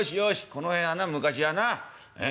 この辺はな昔はなええ？